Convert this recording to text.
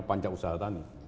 panca usaha tanah